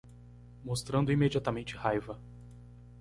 Mostrando imediatamente raiva